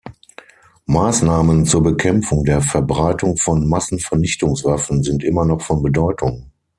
Maßnahmen zur Bekämpfung der Verbreitung von Massenvernichtungswaffen sind immer noch von Bedeutung.